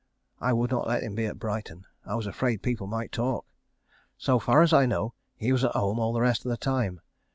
I would not let him be at Brighton. I was afraid people might talk. So far as I know, he was at home all the rest of the time.